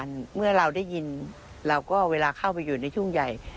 มันเรียกว่าเมื่อเราได้ยินเราก็เอาเวลาเข้าไปอยู่ในช่วงใหญ่